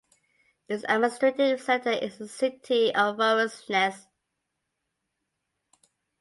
Its administrative center is the city of Voronezh.